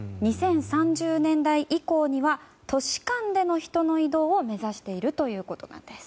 ２０３０年代以降には都市間での人の移動を目指しているということです。